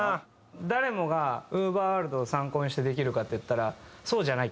誰もがＵＶＥＲｗｏｒｌｄを参考にしてできるかっていったらそうじゃない。